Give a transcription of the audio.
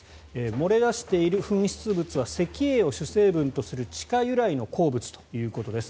漏れ出している噴出物は石英を主成分とする地下由来の鉱物ということです。